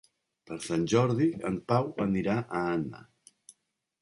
Per Sant Jordi en Pau anirà a Anna.